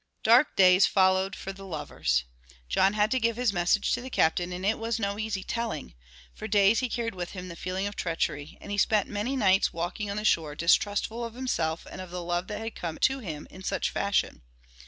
Dark days followed for the lovers. John had to give his message to the Captain, and it was no easy telling. For days he carried with him the feeling of treachery, and he spent many nights walking on the shore, distrustful of himself and of the love that had come to him in such fashion.